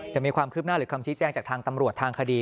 จะมีความคืบหน้าหรือคำชี้แจงจากทางตำรวจทางคดี